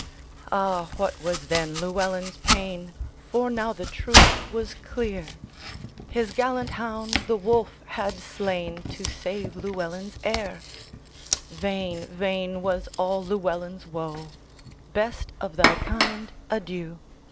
Ah, what was then Llewelyn's pain! For now the truth was clear; His gallant hound the wolf had slainTo save Llewelyn's heir:Vain, vain was all Llewelyn's woe;"Best of thy kind, adieu!